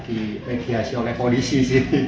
di mediasi oleh polisi sepi